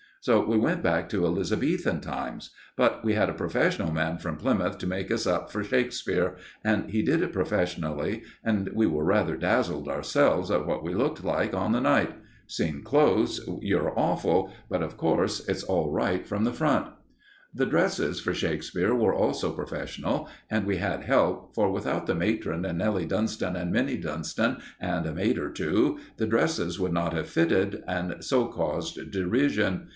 So we went back to Elizabethan times. But we had a professional man from Plymouth to make us up for Shakespeare, and he did it professionally, and we were rather dazzled ourselves at what we looked like on the night. Seen close, you're awful, but, of course, it's all right from the front. The dresses for Shakespeare were also professional, and we had help, for without the matron and Nelly Dunston and Minnie Dunston, and a maid or two, the dresses would not have fitted, and so caused derision.